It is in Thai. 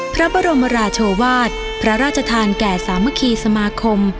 พระบรมราชวาสพระราชทานแก่สามัคคีสมาคม